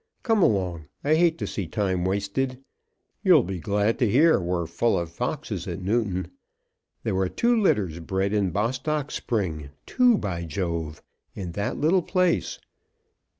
Come along. I hate to see time wasted. You'll be glad to hear we're full of foxes at Newton. There were two litters bred in Bostock Spring; two, by Jove! in that little place.